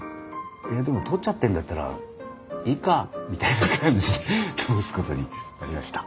「えでも通っちゃってんだったらいっか」みたいな感じで通すことになりました。